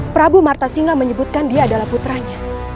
prabu marta singa menyebutkan dia adalah putranya